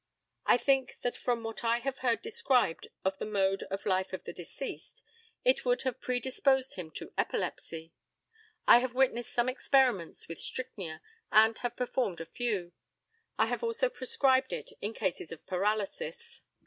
I think that from what I have heard described of the mode of life of the deceased, it would have predisposed him to epilepsy. I have witnessed some experiments with strychnia, and have performed a few. I have also prescribed it in cases of paralysis.